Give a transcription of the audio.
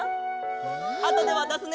あとでわたすね。